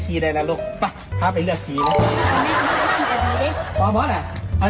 จัดกระบวนพร้อมกัน